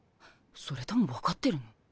それとも分かってるの？